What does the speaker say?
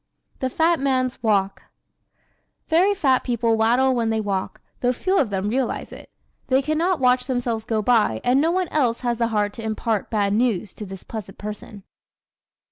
The Fat Man's Walk ¶ Very fat people waddle when they walk, though few of them realize it. They can not watch themselves go by and no one else has the heart to impart bad news to this pleasant person.